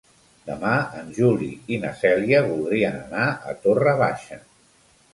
Demà en Juli i na Cèlia voldrien anar a Torre Baixa.